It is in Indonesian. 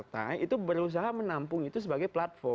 nah pan sebagai partai itu berusaha menampung itu sebagai platform